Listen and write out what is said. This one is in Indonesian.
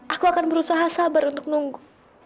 aku akan berusaha sabar untuk nunggu